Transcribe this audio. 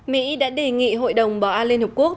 mỹ đã đề nghị hội đồng bảo an liên hợp quốc